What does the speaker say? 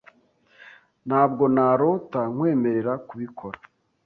Ntabwo narota nkwemerera kubikora.